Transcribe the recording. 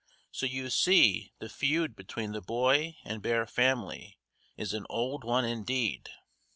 So you see the feud between the boy and bear family is an old one indeed.